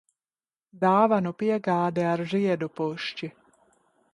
Dāvanu piegāde ar ziedu pušķi.